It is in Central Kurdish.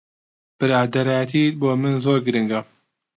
برادەرایەتیت بۆ من زۆر گرنگە.